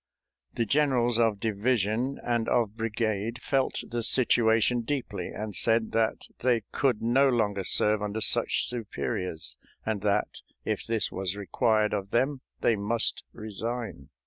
The generals of division and of brigade felt the situation deeply, and said that they could no longer serve under such superiors, and that, if this was required of them, they must resign.